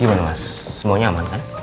gimana mas semuanya aman kan